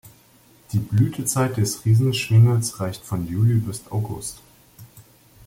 Die Blütezeit des Riesen-Schwingels reicht von Juli bis August.